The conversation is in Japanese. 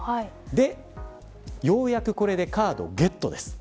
ようやくこれでカードをゲットです。